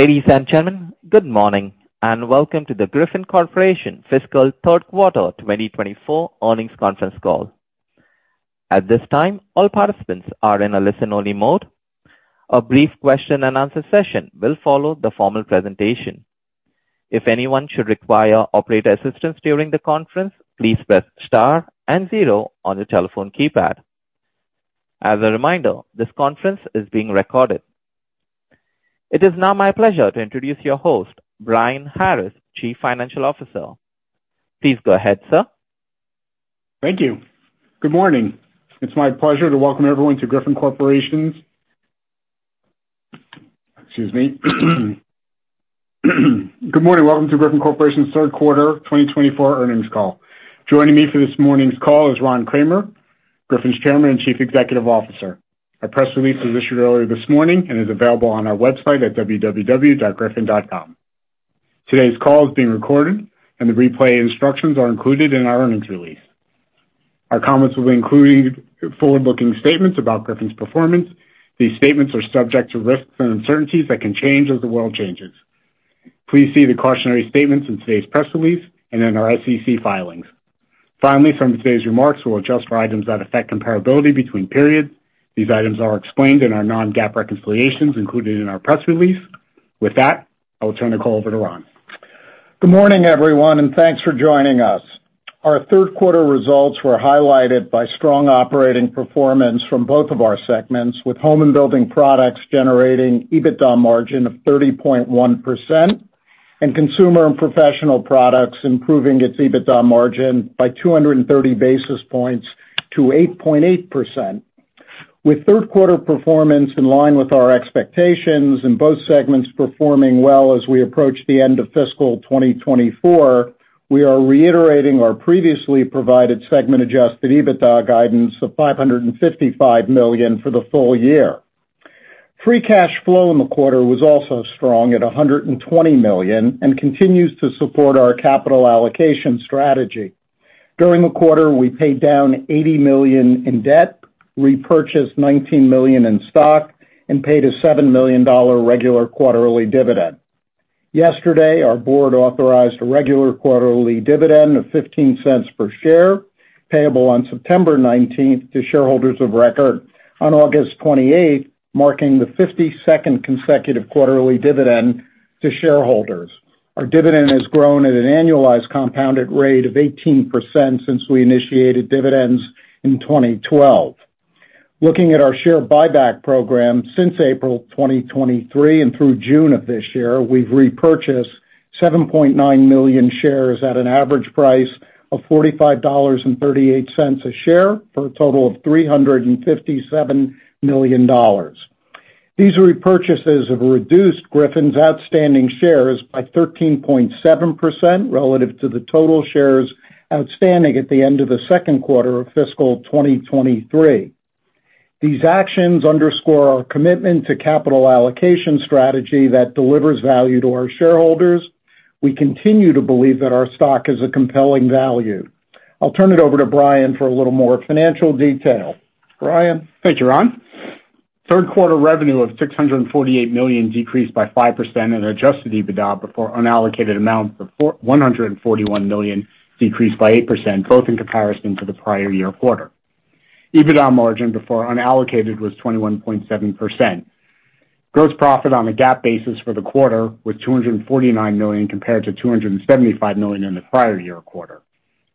Ladies and gentlemen, good morning and welcome to the Griffon Corporation Fiscal Third Quarter 2024 Earnings Conference Call. At this time, all participants are in a listen-only mode. A brief question-and-answer session will follow the formal presentation. If anyone should require operator assistance during the conference, please press star and zero on your telephone keypad. As a reminder, this conference is being recorded. It is now my pleasure to introduce your host, Brian Harris, Chief Financial Officer. Please go ahead, sir. Thank you. Good morning. It's my pleasure to welcome everyone to Griffon Corporation's, excuse me. Good morning. Welcome to Griffon Corporation's Third Quarter 2024 Earnings Call. Joining me for this morning's call is Ron Kramer, Griffon's Chairman and Chief Executive Officer. Our press release was issued earlier this morning and is available on our website at www.griffon.com. Today's call is being recorded, and the replay instructions are included in our earnings release. Our comments will include forward-looking statements about Griffon's performance. These statements are subject to risks and uncertainties that can change as the world changes. Please see the cautionary statements in today's press release and in our SEC filings. Finally, some of today's remarks will adjust for items that affect comparability between periods. These items are explained in our non-GAAP reconciliations included in our press release. With that, I will turn the call over to Ron. Good morning, everyone, and thanks for joining us. Our third-quarter results were highlighted by strong operating performance from both of our segments, with Home and Building Products generating EBITDA margin of 30.1% and Consumer and Professional Products improving its EBITDA margin by 230 basis points to 8.8%. With third-quarter performance in line with our expectations and both segments performing well as we approach the end of fiscal 2024, we are reiterating our previously provided segment-adjusted EBITDA guidance of $555 million for the full year. Free cash flow in the quarter was also strong at $120 million and continues to support our capital allocation strategy. During the quarter, we paid down $80 million in debt, repurchased $19 million in stock, and paid a $7 million regular quarterly dividend. Yesterday, our board authorized a regular quarterly dividend of $0.15 per share, payable on September 19th to shareholders of record on August 28th, marking the 52nd consecutive quarterly dividend to shareholders. Our dividend has grown at an annualized compounded rate of 18% since we initiated dividends in 2012. Looking at our share buyback program, since April 2023 and through June of this year, we've repurchased $7.9 million shares at an average price of $45.38 a share for a total of $357 million. These repurchases have reduced Griffon's outstanding shares by 13.7% relative to the total shares outstanding at the end of the second quarter of fiscal 2023. These actions underscore our commitment to Capital Allocation Strategy that delivers value to our shareholders. We continue to believe that our stock is a compelling value. I'll turn it over to Brian for a little more financial detail. Brian. Thank you, Ron. Third-quarter revenue of $648 million decreased by 5% and adjusted EBITDA before unallocated amount of $141 million decreased by 8%, both in comparison to the prior year quarter. EBITDA margin before unallocated was 21.7%. Gross profit on a GAAP basis for the quarter was $249 million compared to $275 million in the prior year quarter.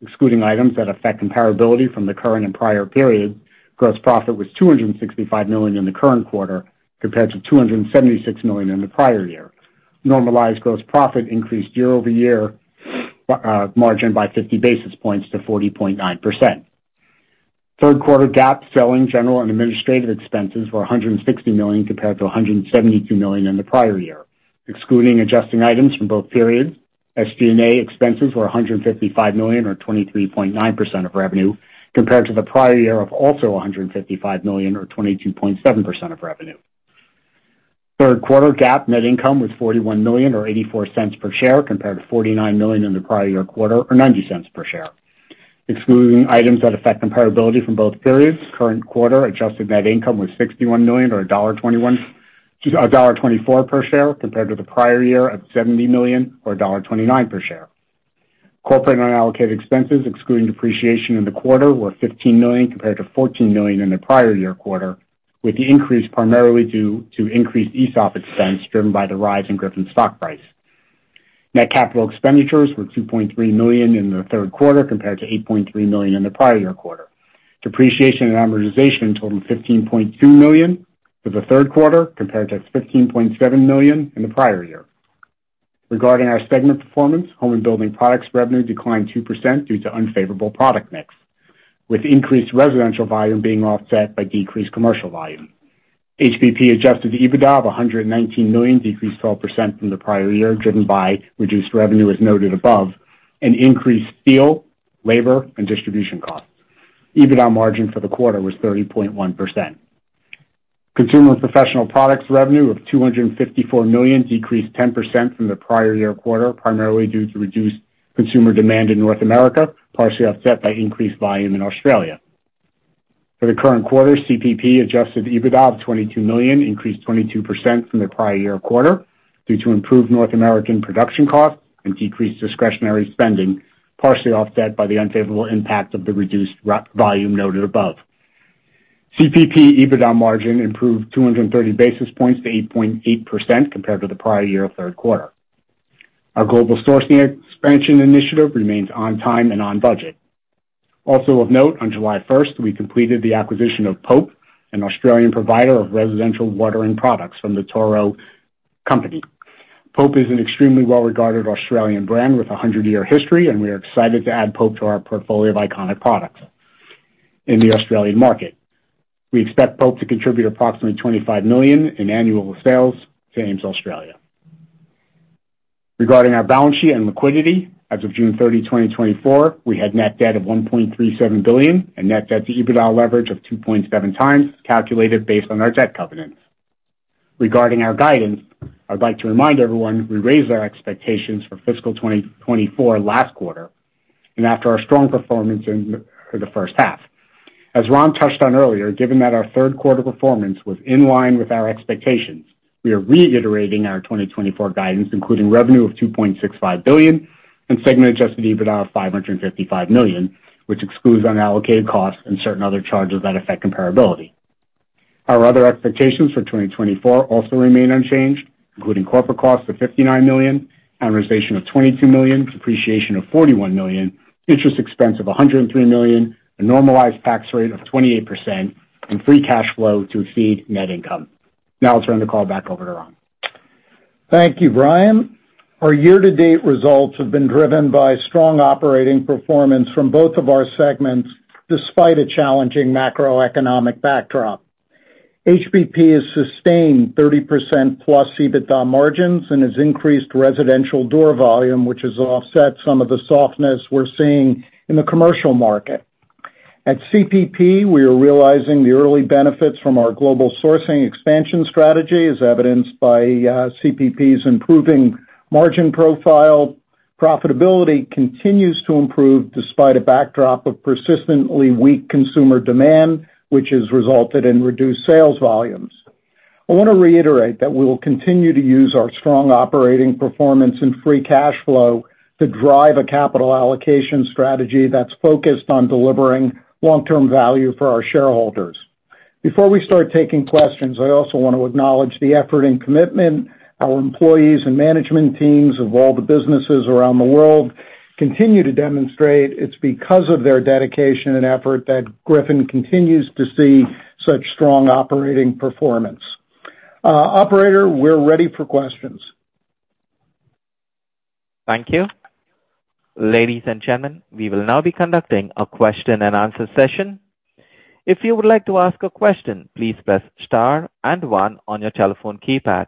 Excluding items that affect comparability from the current and prior periods, gross profit was $265 million in the current quarter compared to $276 million in the prior year. Normalized gross profit increased year-over-year margin by 50 basis points to 40.9%. Third-quarter GAAP selling, general, and administrative expenses were $160 million compared to $172 million in the prior year. Excluding adjusting items from both periods, SG&A expenses were $155 million, or 23.9% of revenue, compared to the prior year of also $155 million, or 22.7% of revenue. Third-quarter GAAP net income was $41 million, or $0.84 per share, compared to $49 million in the prior year quarter, or $0.90 per share. Excluding items that affect comparability from both periods, current quarter adjusted net income was $61 million, or $1.24 per share, compared to the prior year of $70 million, or $1.29 per share. Corporate unallocated expenses, excluding depreciation in the quarter, were $15 million compared to $14 million in the prior year quarter, with the increase primarily due to increased ESOP expense driven by the rise in Griffon's stock price. Net capital expenditures were $2.3 million in the third quarter compared to $8.3 million in the prior year quarter. Depreciation and amortization totaled $15.2 million for the third quarter compared to $15.7 million in the prior year. Regarding our segment performance, Home and Building Products revenue declined 2% due to unfavorable product mix, with increased residential volume being offset by decreased commercial volume. HBP adjusted EBITDA of $119 million decreased 12% from the prior year, driven by reduced revenue as noted above and increased steel, labor, and distribution costs. EBITDA margin for the quarter was 30.1%. Consumer and Professional Products revenue of $254 million decreased 10% from the prior year quarter, primarily due to reduced consumer demand in North America, partially offset by increased volume in Australia. For the current quarter, CPP adjusted EBITDA of $22 million, increased 22% from the prior year quarter due to improved North American production costs and decreased discretionary spending, partially offset by the unfavorable impact of the reduced volume noted above. CPP EBITDA margin improved 230 basis points to 8.8% compared to the prior year third quarter. Our global sourcing expansion initiative remains on time and on budget. Also of note, on July 1st, we completed the acquisition of Pope, an Australian provider of residential watering products from the Toro Company. Pope is an extremely well-regarded Australian brand with a 100-year history, and we are excited to add Pope to our portfolio of iconic products in the Australian market. We expect Pope to contribute approximately $25 million in annual sales to AMES Australia. Regarding our balance sheet and liquidity, as of June 30, 2024, we had net debt of $1.37 billion and net debt to EBITDA leverage of 2.7 times, calculated based on our debt covenants. Regarding our guidance, I'd like to remind everyone we raised our expectations for fiscal 2024 last quarter and after our strong performance in the first half. As Ron touched on earlier, given that our third-quarter performance was in line with our expectations, we are reiterating our 2024 guidance, including revenue of $2.65 billion and segment-adjusted EBITDA of $555 million, which excludes unallocated costs and certain other charges that affect comparability. Our other expectations for 2024 also remain unchanged, including corporate costs of $59 million, amortization of $22 million, depreciation of $41 million, interest expense of $103 million, a normalized tax rate of 28%, and free cash flow to exceed net income. Now I'll turn the call back over to Ron. Thank you, Brian. Our year-to-date results have been driven by strong operating performance from both of our segments despite a challenging macroeconomic backdrop. HBP has sustained 30%+ EBITDA margins and has increased residential door volume, which has offset some of the softness we're seeing in the commercial market. At CPP, we are realizing the early benefits from our global sourcing expansion strategy, as evidenced by CPP's improving margin profile. Profitability continues to improve despite a backdrop of persistently weak consumer demand, which has resulted in reduced sales volumes. I want to reiterate that we will continue to use our strong operating performance and free cash flow to drive a capital allocation strategy that's focused on delivering long-term value for our shareholders. Before we start taking questions, I also want to acknowledge the effort and commitment our employees and management teams of all the businesses around the world continue to demonstrate. It's because of their dedication and effort that Griffon continues to see such strong operating performance. Operator, we're ready for questions. Thank you. Ladies and gentlemen, we will now be conducting a question-and-answer session. If you would like to ask a question, please press star and one on your telephone keypad.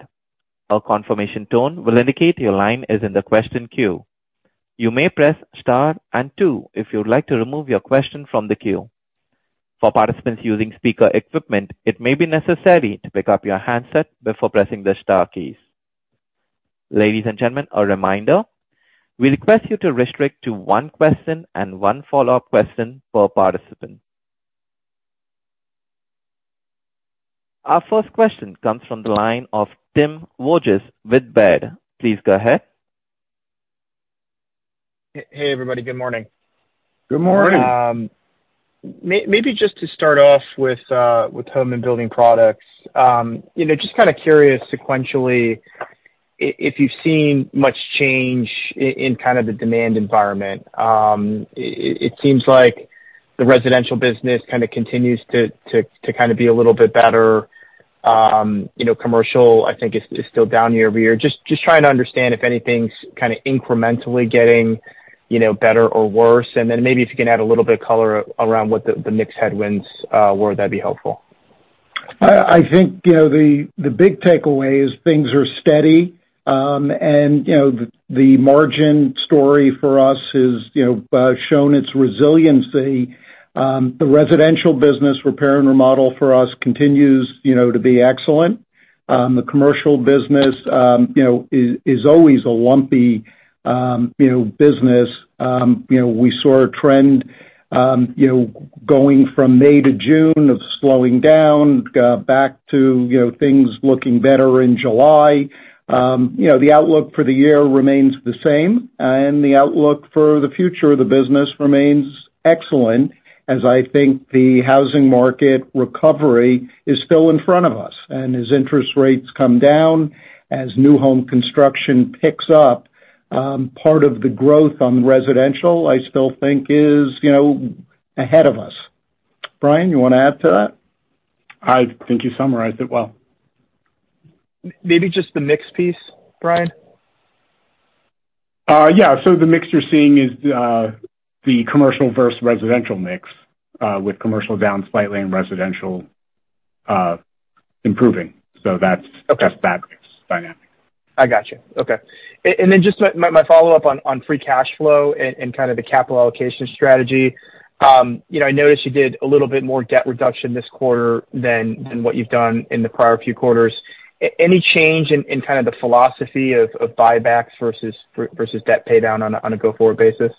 A confirmation tone will indicate your line is in the question queue. You may press star and two if you would like to remove your question from the queue. For participants using speaker equipment, it may be necessary to pick up your handset before pressing the star keys. Ladies and gentlemen, a reminder, we request you to restrict to one question and one follow-up question per participant. Our first question comes from the line of Tim Wojs with Baird. Please go ahead. Hey, everybody. Good morning. Good morning. Maybe just to start off with Home and Building Products, just kind of curious sequentially if you've seen much change in kind of the demand environment. It seems like the residential business kind of continues to kind of be a little bit better. Commercial, I think, is still down year-over-year. Just trying to understand if anything's kind of incrementally getting better or worse. And then maybe if you can add a little bit of color around what the mixed headwinds were, that'd be helpful. I think the big takeaway is things are steady, and the margin story for us has shown its resiliency. The residential business repair and remodel for us continues to be excellent. The commercial business is always a lumpy business. We saw a trend going from May to June of slowing down back to things looking better in July. The outlook for the year remains the same, and the outlook for the future of the business remains excellent, as I think the housing market recovery is still in front of us. And as interest rates come down, as new home construction picks up, part of the growth on residential, I still think, is ahead of us. Brian, you want to add to that? I think you summarized it well. Maybe just the mix piece, Brian? Yeah. So the mix you're seeing is the commercial versus residential mix, with commercial down slightly and residential improving. So that's that mix dynamic. I gotcha. Okay. And then just my follow-up on free cash flow and kind of the capital allocation strategy. I noticed you did a little bit more debt reduction this quarter than what you've done in the prior few quarters. Any change in kind of the philosophy of buybacks versus debt paydown on a go-forward basis?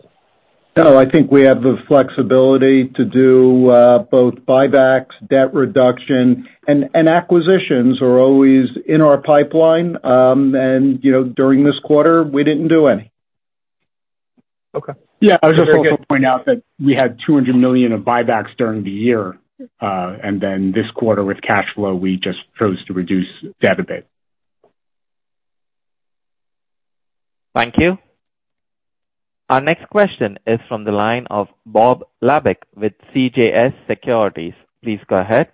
No, I think we have the flexibility to do both buybacks, debt reduction, and acquisitions are always in our pipeline. During this quarter, we didn't do any. Okay. Yeah. I was just going to point out that we had $200 million of buybacks during the year, and then this quarter, with cash flow, we just chose to reduce debt a bit. Thank you. Our next question is from the line of Bob Labick with CJS Securities. Please go ahead.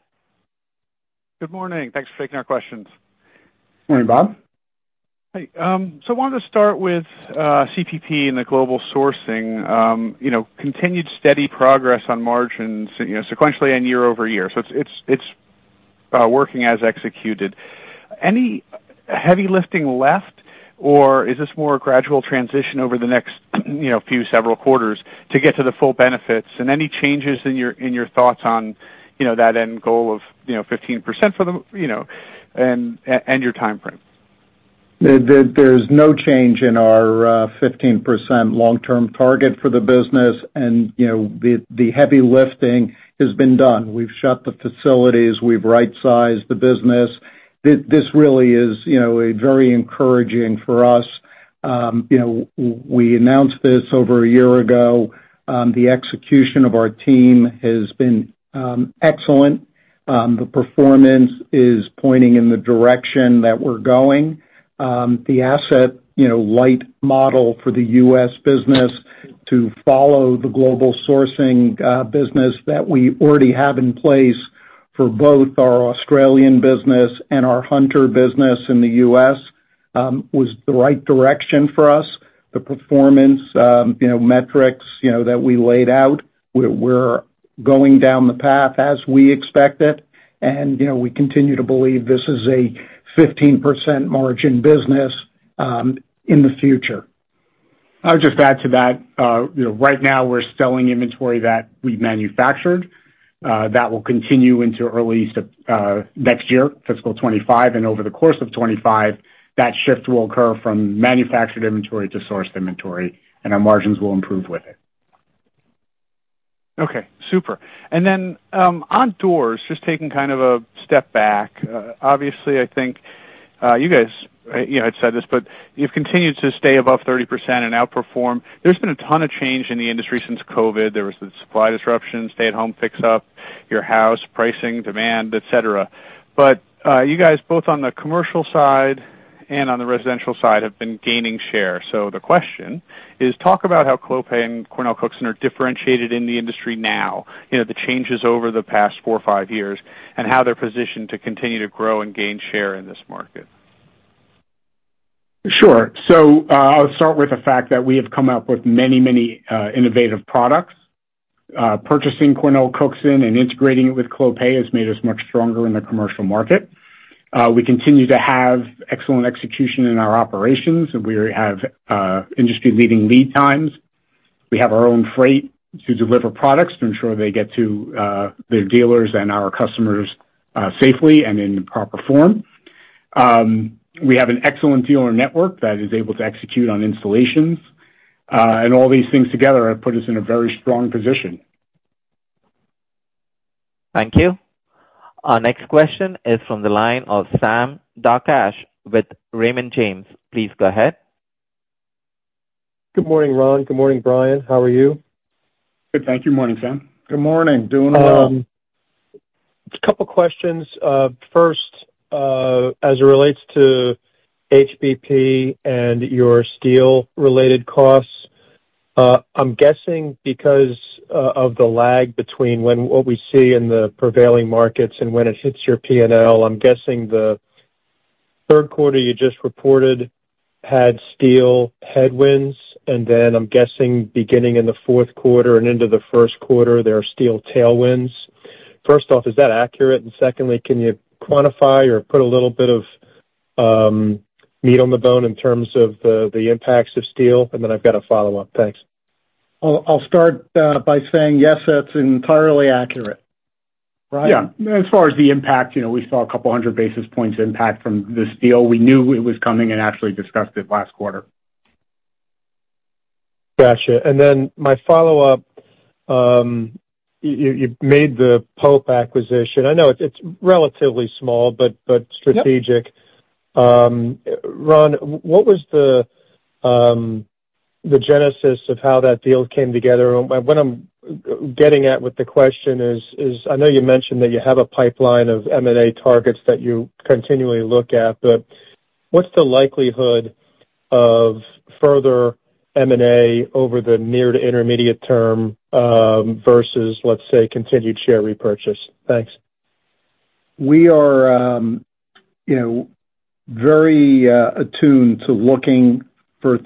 Good morning. Thanks for taking our questions. Morning, Bob. Hey. So I wanted to start with CPP and the global sourcing. Continued steady progress on margins sequentially and year-over-year. So it's working as executed. Any heavy lifting left, or is this more a gradual transition over the next few to several quarters to get to the full benefits? And any changes in your thoughts on that end goal of 15% for the end-year timeframe? There's no change in our 15% long-term target for the business, and the heavy lifting has been done. We've shut the facilities. We've right-sized the business. This really is very encouraging for us. We announced this over a year ago. The execution of our team has been excellent. The performance is pointing in the direction that we're going. The asset light model for the U.S. business to follow the global sourcing business that we already have in place for both our Australian business and our Hunter business in the U.S. was the right direction for us. The performance metrics that we laid out, we're going down the path as we expect it. We continue to believe this is a 15% margin business in the future. I would just add to that. Right now, we're selling inventory that we manufactured. That will continue into early next year, fiscal 2025. And over the course of 2025, that shift will occur from manufactured inventory to sourced inventory, and our margins will improve with it. Okay. Super. And then on doors, just taking kind of a step back, obviously, I think you guys had said this, but you've continued to stay above 30% and outperform. There's been a ton of change in the industry since COVID. There was the supply disruption, stay-at-home fix-up, your house, pricing, demand, etc. But you guys, both on the commercial side and on the residential side, have been gaining share. So the question is, talk about how Clopay and CornellCookson are differentiated in the industry now, the changes over the past four or five years, and how they're positioned to continue to grow and gain share in this market? Sure. So I'll start with the fact that we have come up with many, many innovative products. Purchasing CornellCookson and integrating it with Clopay has made us much stronger in the commercial market. We continue to have excellent execution in our operations, and we have industry-leading lead times. We have our own freight to deliver products to ensure they get to their dealers and our customers safely and in proper form. We have an excellent dealer network that is able to execute on installations. And all these things together have put us in a very strong position. Thank you. Our next question is from the line of Sam Darkatsh with Raymond James. Please go ahead. Good morning, Ron. Good morning, Brian. How are you? Good. Thank you. Morning, Sam. Good morning. Doing well. A couple of questions. First, as it relates to HBP and your steel-related costs, I'm guessing because of the lag between what we see in the prevailing markets and when it hits your P&L, I'm guessing the third quarter you just reported had steel headwinds. And then I'm guessing beginning in the fourth quarter and into the first quarter, there are steel tailwinds. First off, is that accurate? And secondly, can you quantify or put a little bit of meat on the bone in terms of the impacts of steel? And then I've got a follow-up. Thanks. I'll start by saying, yes, that's entirely accurate. Right? Yeah. As far as the impact, we saw 200 basis points impact from the steel. We knew it was coming and actually discussed it last quarter. Gotcha. Then my follow-up, you made the Pope acquisition. I know it's relatively small, but strategic. Ron, what was the genesis of how that deal came together? What I'm getting at with the question is, I know you mentioned that you have a pipeline of M&A targets that you continually look at, but what's the likelihood of further M&A over the near to intermediate term versus, let's say, continued share repurchase? Thanks. We are very attuned to looking for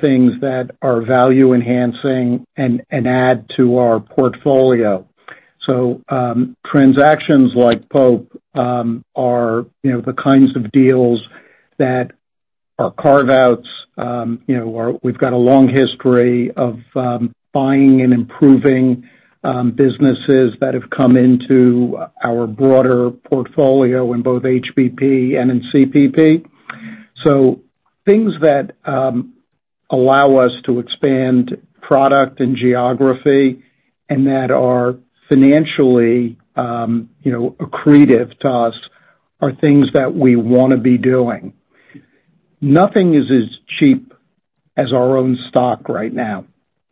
things that are value-enhancing and add to our portfolio. So transactions like Pope are the kinds of deals that are carve-outs. We've got a long history of buying and improving businesses that have come into our broader portfolio in both HBP and in CPP. So things that allow us to expand product and geography and that are financially accretive to us are things that we want to be doing. Nothing is as cheap as our own stock right now.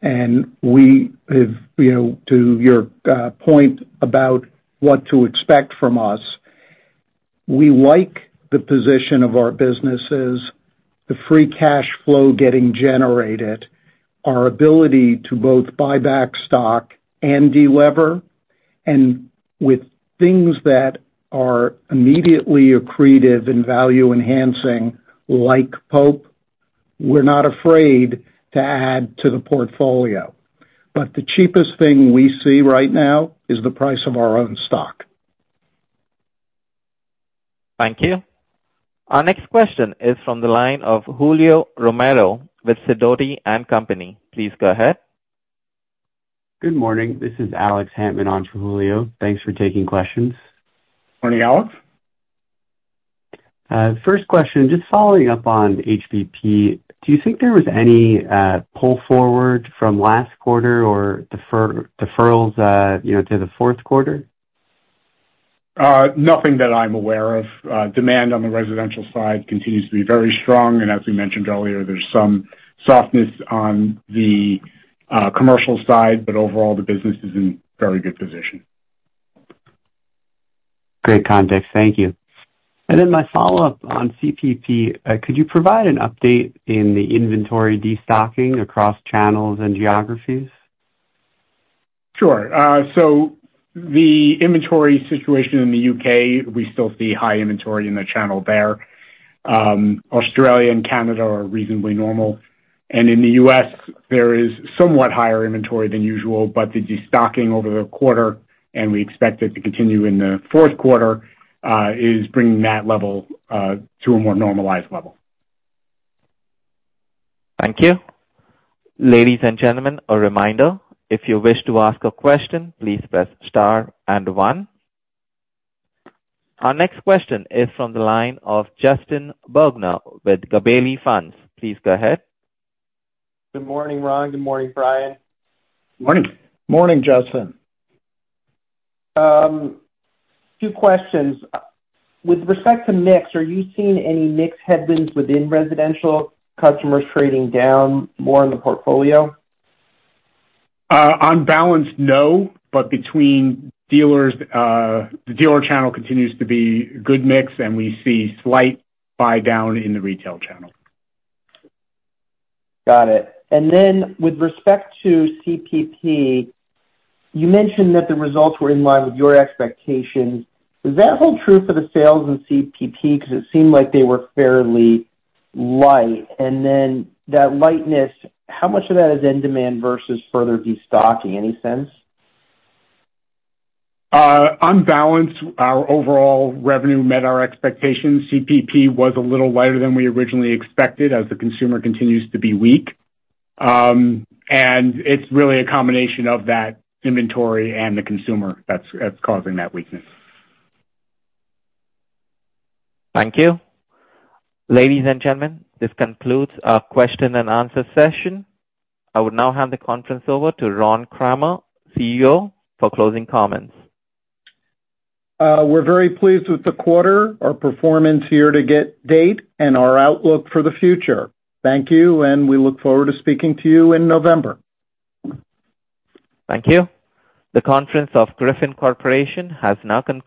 And to your point about what to expect from us, we like the position of our businesses, the free cash flow getting generated, our ability to both buy back stock and deliver. And with things that are immediately accretive and value-enhancing like Pope, we're not afraid to add to the portfolio. The cheapest thing we see right now is the price of our own stock. Thank you. Our next question is from the line of Julio Romero with Sidoti & Company. Please go ahead. Good morning. This is Alex Hammond on for Julio. Thanks for taking questions. Morning, Alex. First question, just following up on HBP, do you think there was any pull forward from last quarter or deferrals to the fourth quarter? Nothing that I'm aware of. Demand on the residential side continues to be very strong. As we mentioned earlier, there's some softness on the commercial side, but overall, the business is in very good position. Great context. Thank you. Then my follow-up on CPP, could you provide an update in the inventory destocking across channels and geographies? Sure. So the inventory situation in the U.K., we still see high inventory in the channel there. Australia and Canada are reasonably normal. In the U.S., there is somewhat higher inventory than usual, but the destocking over the quarter, and we expect it to continue in the fourth quarter, is bringing that level to a more normalized level. Thank you. Ladies and gentlemen, a reminder, if you wish to ask a question, please press star and one. Our next question is from the line of Justin Bergner with Gabelli Funds. Please go ahead. Good morning, Ron. Good morning, Brian. Morning. Morning, Justin. Two questions. With respect to mix, are you seeing any mixed headwinds within residential customers trading down more in the portfolio? On balance, no, but between dealers, the dealer channel continues to be good mix, and we see slight buy down in the retail channel. Got it. And then with respect to CPP, you mentioned that the results were in line with your expectations. Does that hold true for the sales in CPP? Because it seemed like they were fairly light. And then that lightness, how much of that is in demand versus further destocking? Any sense? On balance, our overall revenue met our expectations. CPP was a little lighter than we originally expected as the consumer continues to be weak. And it's really a combination of that inventory and the consumer that's causing that weakness. Thank you. Ladies and gentlemen, this concludes our question and answer session. I will now hand the conference over to Ron Kramer, CEO, for closing comments. We're very pleased with the quarter, our performance year-to-date, and our outlook for the future. Thank you, and we look forward to speaking to you in November. Thank you. The conference of Griffon Corporation has now concluded.